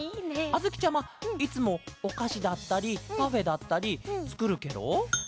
あづきちゃまいつもおかしだったりパフェだったりつくるケロ？